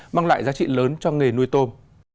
mang lại giá trị lớn cho nghề nuôi tôm